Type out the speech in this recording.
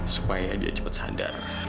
supaya dia cepat sadar